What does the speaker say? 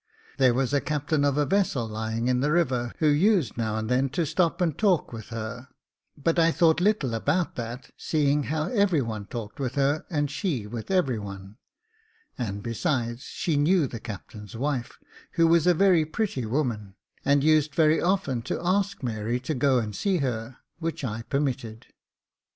There was a captain of a vessel lying in the river, who used now and then to stop and talk with her ; but I thought little about that seeing how every one talked with her and she with everybody ; and besides, she knew the captain's wife, who was a very pretty woman, and used very often to ask Mary to go and see her, which I permitted.